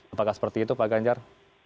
apakah seperti itu pak ganjar